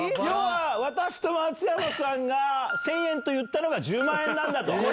要は私と松山さんが１０００円と言ったのが１０万円なんだと。